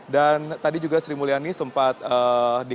dan tadi juga sri mulyani sempat dikatakan